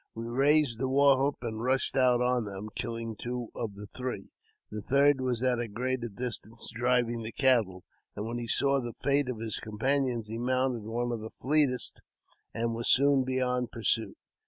We raised the war whoop, and rushed out on them, killing two of the three ; the third was at a greater distance, driving the cattle, and when he saw the fate of his companions he mounted one of the fleetest, and was soon beyond pursuit.